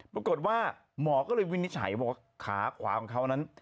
บ็อกต์ว่าหมอก็เลยวินิไชหนพวกขาขวางเขานั้น